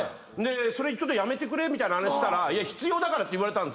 それやめてくれみたいな話したら必要だからって言われた。